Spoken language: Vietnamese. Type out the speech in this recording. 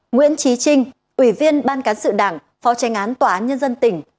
nguyễn trí trinh ủy viên ban cán sự đảng phó tranh án tòa án nhân dân tỉnh